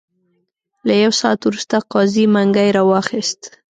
له یو ساعت وروسته قاضي منګی را واخیست.